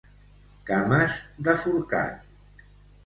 Cames de forcat.